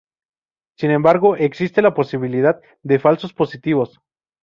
Sin embargo, existe la posibilidad de falsos positivos.